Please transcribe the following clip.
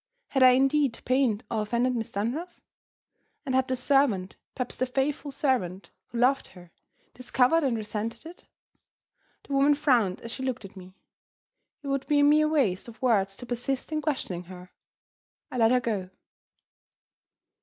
Had I indeed pained or offended Miss Dunross? And had the servant perhaps the faithful servant who loved her discovered and resented it? The woman frowned as she looked at me. It would be a mere waste of words to persist in questioning her. I let her go.